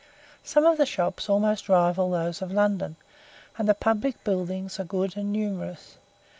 Some of the shops almost rival those of London, and the public buildings are good and numerous.